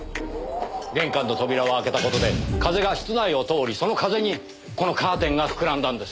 玄関の扉を開けた事で風が室内を通りその風にこのカーテンが膨らんだんです。